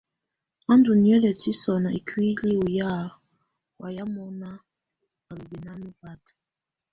Á ndù niǝ́lǝtiǝ́ sɔnɔ ikuili ù ya wayɛ mɔna á lù bɛnana bata.